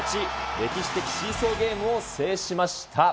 歴史的シーソーゲームを制しました。